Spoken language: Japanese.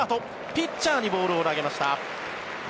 ピッチャーにボールを投げました。